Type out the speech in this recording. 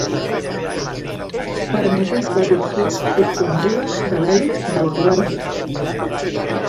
Permeten la torsió sostinguda de l'hèlix del col·làgen.